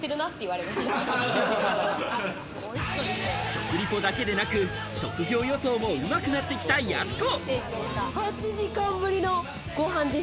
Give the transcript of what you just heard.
食リポだけでなく、職業予想もうまくなってきたやす子。